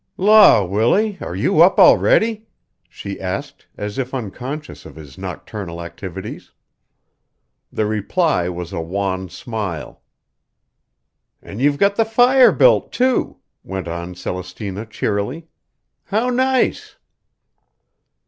"Law, Willie, are you up already?" she asked, as if unconscious of his nocturnal activities. The reply was a wan smile. "An' you've got the fire built, too," went on Celestina cheerily. "How nice!"